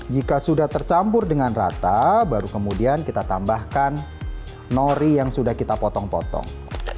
jika sudah tercampur dengan rata baru kemudian kita tambahkan nori yang sudah kita potong potong